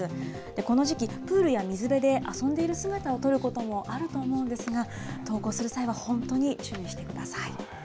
この時期、プールや水辺で遊んでいる姿を撮ることもあると思うんですが、投稿する際は、本当に注意してください。